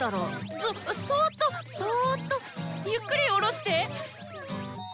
そっとそっとゆっくり下ろして。